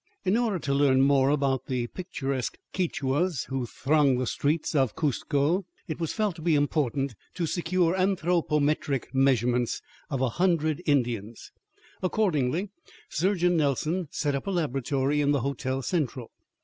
In order to learn more about the picturesque Quichuas who throng the streets of Cuzco it was felt to be important to secure anthropometric measurements of a hundred Indians. Accordingly, Surgeon Nelson set up a laboratory in the Hotel Central.